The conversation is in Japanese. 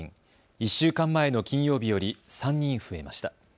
１週間前の金曜日より３人増えました。